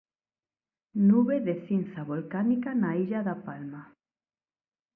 Nube de cinza volcánica na illa da Palma.